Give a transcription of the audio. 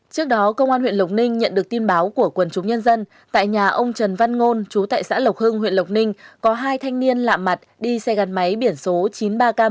trước đó công an huyện lộc ninh nhận được tin báo của quần chúng nhân dân tại nhà ông trần văn ngôn chú tại xã lộc hưng huyện lộc ninh có hai thanh niên lạ mặt đi xe gắn máy biển số chín mươi ba k một hai trăm bốn mươi ba